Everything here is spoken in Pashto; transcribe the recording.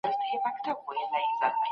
د ستړیا له امله هغه وختي ویده شو.